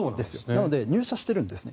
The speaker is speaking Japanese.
なので入社してるんですね。